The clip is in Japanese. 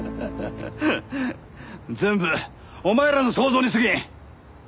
全部お前らの想像に過ぎん。